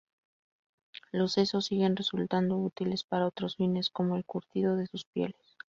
Los sesos siguen resultando útiles para otros fines, como el curtido de sus pieles.